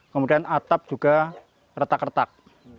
kemudian atap juga retak retak